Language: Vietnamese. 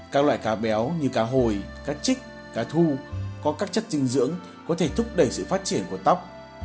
các loài cá béo như cá hồi cá trích cá thu có các chất dinh dưỡng có thể thúc đẩy sự phát triển của tóc